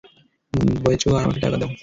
বেচো আর আমাকে টাকা দেও।